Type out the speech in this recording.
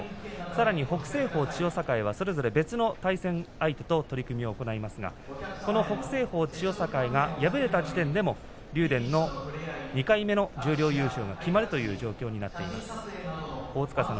さらに北青鵬、千代栄はそれぞれ別の対戦相手と取組を行いますが北青鵬、千代栄が敗れた時点でも竜電の２回目の十両優勝が決まるという状況になっています。